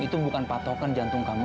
itu bukan patokan jantung kamu